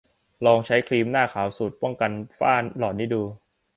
ลองใช้ครีมหน้าขาวสูตรป้องกันฝ้าหลอดนี้ดู